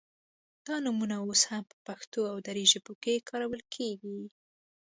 دا نومونه اوس هم په پښتو او دري ژبو کې کارول کیږي